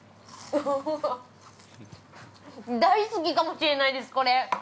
◆大好きかもしれないです、これ。